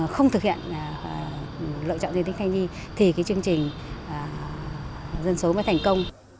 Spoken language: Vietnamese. không thực hiện lựa chọn dân tích thanh ni thì chương trình dân số mới thành công